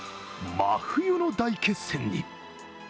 真冬の大決戦に。